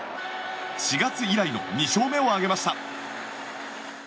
４月以来の２勝目を挙げました。